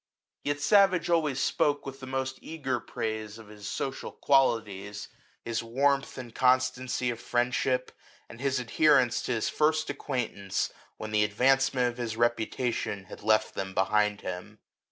Yet Savage always spoke with the most eager praise of his social qualities, his warmth and constancy of friendship, and his adherence to his first acquaintance when the advancement of his reputation had left them behind him.